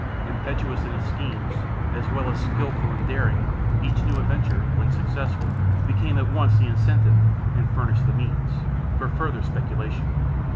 Impetuous in his schemes, as well as skilful and daring, each new adventure, when successful, became at once the incentive, and furnished the means, for farther speculation.